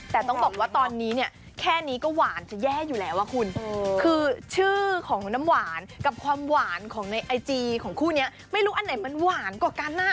แต่ต้องบอกว่าตอนนี้เนี่ยแค่นี้ก็หวานจะแย่อยู่แล้วอ่ะคุณคือชื่อของน้ำหวานกับความหวานของในไอจีของคู่นี้ไม่รู้อันไหนมันหวานกว่ากันอ่ะ